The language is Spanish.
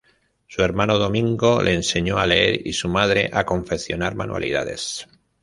Su hermano Domingo le enseñó a leer y su madre a confeccionar manualidades.